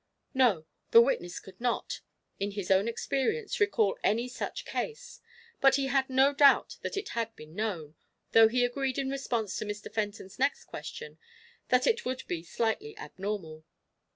No, the witness could not, in his own experience, recall any such case, but he had no doubt that it had been known, though he agreed in response to Mr. Fenton's next question, that it would be slightly abnormal.